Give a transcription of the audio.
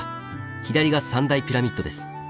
左が３大ピラミッドです。